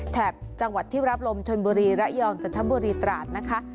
แถบจังหวัดที่รับลมชนบุรีระยองจันทบุรีตราดนะคะ